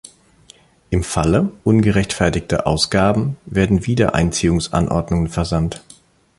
Im Falle ungerechtfertigter Ausgaben werden Wiedereinziehungsanordnungen versandt.